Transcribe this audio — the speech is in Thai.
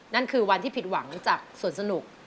นั่นคือวันที่ผิดหวังจากส่วนสนุก